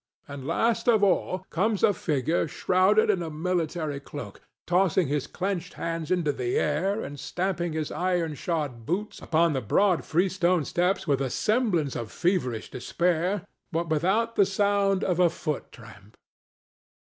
And last of all comes a figure shrouded in a military cloak, tossing his clenched hands into the air and stamping his iron shod boots upon the broad freestone steps with a semblance of feverish despair, but without the sound of a foot tramp.